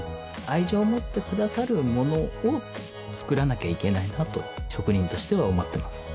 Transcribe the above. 愛情を持ってくださるものをつくらなきゃいけないなと職人としては思ってます